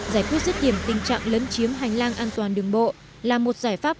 giải quyết rứt điểm tình trạng lấn chiếm hành lang an toàn đường bộ là một giải pháp